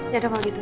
ya udah kalau gitu